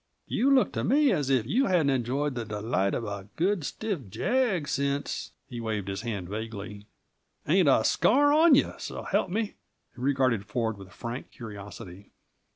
You look to me as if you hadn't enjoyed the delights of a good, stiff jag since " He waved a hand vaguely. "Ain't a scar on you, so help me!" He regarded Ford with frank curiosity.